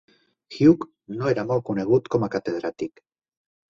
Hugh no era molt conegut com a catedràtic.